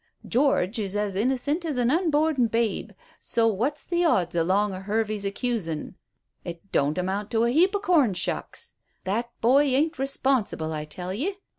George is as innocent as an unborn babe, so what's the odds along o' Hervey's accusin'? It don't amount to a heap o' corn shucks. That boy ain't responsible, I tell ye.